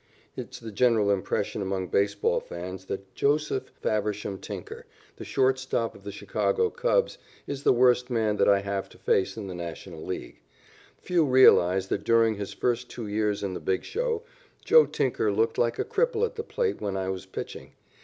It is the general impression among baseball fans that Joseph Faversham Tinker, the short stop of the Chicago Cubs, is the worst man that I have to face in the National League. Few realize that during his first two years in the big show Joe Tinker looked like a cripple at the plate when I was pitching.